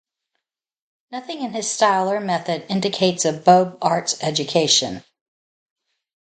Nothing in his style or method indicates a Beaux Arts education.